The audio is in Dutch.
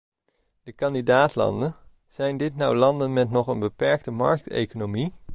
De kandidaat-landen, zijn dit nou landen met een nog beperkte markteconomie?